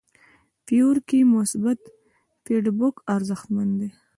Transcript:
فیور کې مثبت فیډبک ارزښتمن دی.